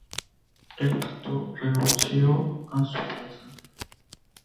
El Pinto renunció a su plaza.